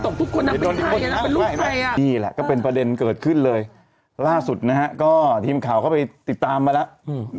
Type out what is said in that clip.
โอ๊ยเอ้านั่งเป็นภาเดนเกิดขึ้นเลยล่าสุดนะฮะก็ทีมข่าวก็ไปติดตามมาแล้วอืม